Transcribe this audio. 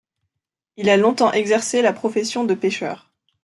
Il a longtemps exercé la profession de pêcheur.